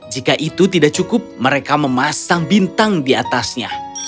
jika itu tidak cukup mereka memasang bintang di atasnya